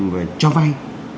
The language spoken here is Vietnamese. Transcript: về cho vay